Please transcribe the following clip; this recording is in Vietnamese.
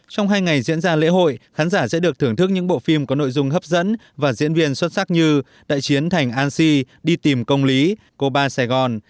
trong hai ngày diễn ra lễ hội khán giả sẽ được thưởng thức những bộ phim có nội dung hấp dẫn và diễn viên xuất sắc như đại chiến thành an si đi tìm công lý cô ba sài gòn